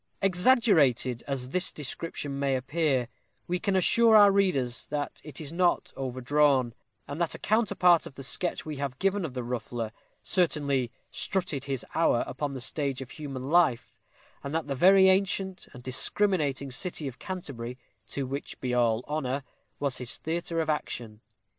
Exaggerated as this description may appear, we can assure our readers that it is not overdrawn; and that a counterpart of the sketch we have given of the ruffler certainly "strutted his hour" upon the stage of human life, and that the very ancient and discriminating city of Canterbury to which be all honor was his theatre of action.